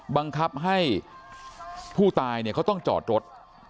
บังคับให้ผู้ตายต้องจอดรถ